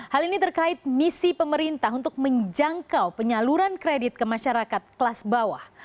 hal ini terkait misi pemerintah untuk menjangkau penyaluran kredit ke masyarakat kelas bawah